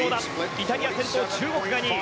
イタリア、先頭中国が２位。